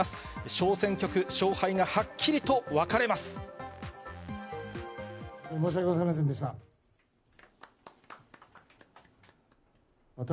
小選挙区、勝敗がはっきりと分か申し訳ございませんでした。